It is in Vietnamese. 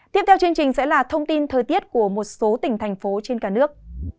tiếp theo chương trình sẽ là thông tin thời tiết của một số tỉnh thành phố trên cả nước